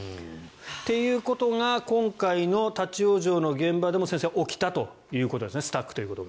ということが今回の立ち往生の現場でも先生、起きたということですね。